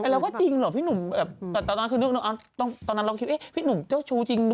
แล้วก็จริงหรือพี่หนุ่มตอนนั้นคือนึกตอนนั้นเราคิด